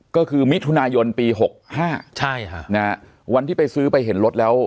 ก็คือมิถุนายนปีหกห้าใช่ค่ะนะฮะวันที่ไปซื้อไปเห็นรถแล้ว